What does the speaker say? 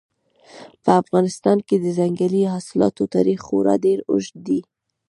په افغانستان کې د ځنګلي حاصلاتو تاریخ خورا ډېر اوږد دی.